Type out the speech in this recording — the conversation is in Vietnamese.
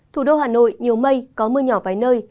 thủ đô hà nội nhiều mây có mưa nhỏ vài nơi